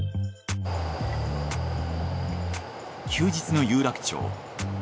休日の有楽町。